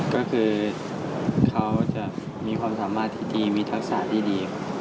ก็คือเขาจะมีความสามารถที่ดีมีทักษะที่ดี